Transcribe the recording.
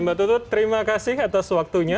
mbak tutut terima kasih atas waktunya